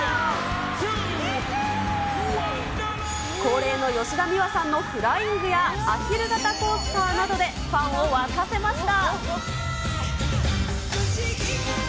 恒例の吉田美和さんのフライングや、アヒル型コースターなどで、ファンを沸かせました。